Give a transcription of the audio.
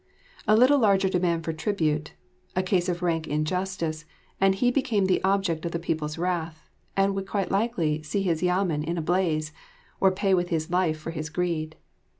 A little larger demand for tribute, a case of rank injustice, and he became the object of the people's wrath and would quite likely see his Yamen in a blaze, or pay with his life for his greed.